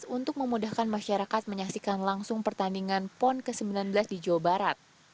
untuk memudahkan masyarakat menyaksikan langsung pertandingan pon ke sembilan belas di jawa barat